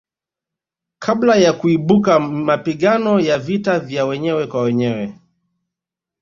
Kabla ya kuibuka mapigano ya vita vya wenyewe kwa wenyewe